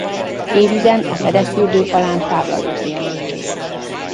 Hévízen a fedett fürdő falán tábla őrzi emlékét.